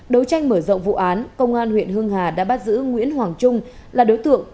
đấu tranh mở rộng vụ án công an huyện hưng hà đã bắt giữ nguyễn hoàng trung là đối tượng